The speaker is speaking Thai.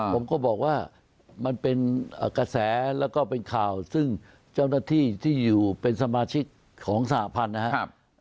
ผมก็บอกว่ามันเป็นกระแสแล้วก็เป็นข่าวซึ่งเจ้าหน้าที่ที่อยู่เป็นสมาชิกของสหพันธ์นะครับ